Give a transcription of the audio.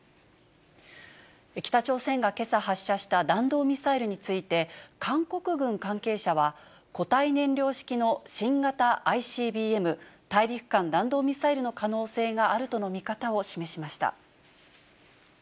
北朝鮮がけさ発射した弾道ミサイルについて、韓国軍関係者は、固体燃料式の新型ＩＣＢＭ・大陸間弾道ミサイルの可能性があるとの見方を示しました。